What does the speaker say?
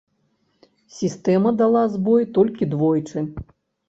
Сістэма дала збой толькі двойчы.